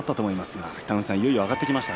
いよいよ上がってきましたね